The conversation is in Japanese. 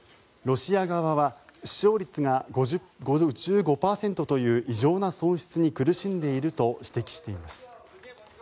ロシア側は死傷率が５５％という異常な損失に苦しんでいると指摘しています。